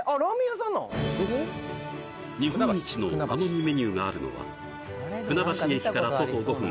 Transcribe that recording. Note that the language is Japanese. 日本一のなのにメニューがあるのは船橋駅から徒歩５分